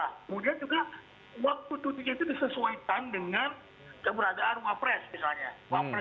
kemudian juga waktu cutinya itu disesuaikan dengan keberadaan wapres misalnya